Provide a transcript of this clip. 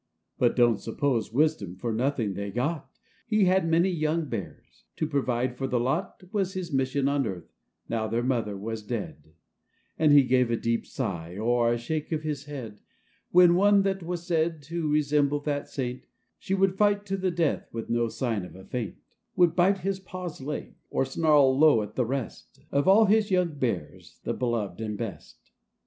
But don't suppose wisdom for nothing they got ! He had many young bears ; to provide for the lot Was his mission on earth, now their Mother was dead; And he gave a deep sigh, or a shake of his head, When one that was said to resemble that saint, (She would fight to the death, with no sign of a faint,) Would bite his Pa's leg, or snarl low at the rest; Of all his young Bears, the beloved and best!